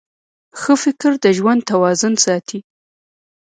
ښه فکر د ژوند توازن ساتي.